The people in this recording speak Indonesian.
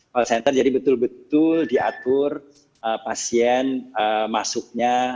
call center jadi betul betul diatur pasien masuknya